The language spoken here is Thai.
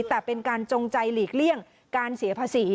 แต่เป็นการจงใจหลีกเลี่ยงการเสียภาษี